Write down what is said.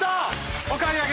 お買い上げ。